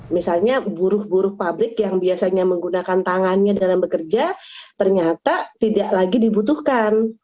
misalnya buruh buruh pabrik yang biasanya menggunakan tangannya dalam bekerja ternyata tidak lagi dibutuhkan